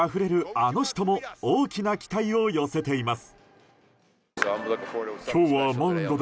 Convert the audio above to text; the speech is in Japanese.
あの人も大きな期待を寄せています。